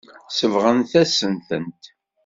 Sebɣent-as-tent.